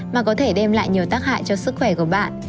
mà có thể đem lại nhiều tác hại cho sức khỏe của bạn